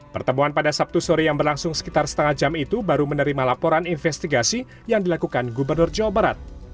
pertemuan pada sabtu sore yang berlangsung sekitar setengah jam itu baru menerima laporan investigasi yang dilakukan gubernur jawa barat